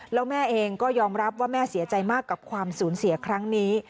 แล้วแม่เองก็ยอมรับว่าแม่เสียใจมากกับความสูญเสียครั้งนี้